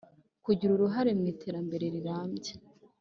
Kugira uruhare mu iterambere rirambye